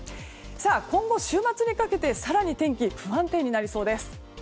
今後、週末にかけて更に天気不安定になりそうです。